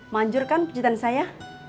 manjur kan pujitan saya